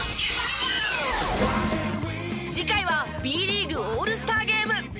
次回はＢリーグオールスターゲーム。